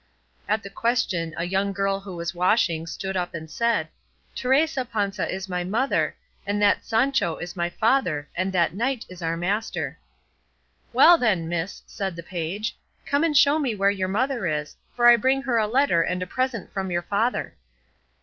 At the question a young girl who was washing stood up and said, "Teresa Panza is my mother, and that Sancho is my father, and that knight is our master." "Well then, miss," said the page, "come and show me where your mother is, for I bring her a letter and a present from your father."